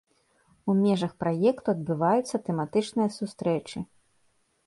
У межах праекту адбываюцца тэматычныя сустрэчы.